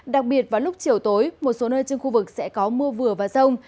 đặc biệt vào lúc chiều tối một số nơi trên khu vực sẽ có mưa vừa và rông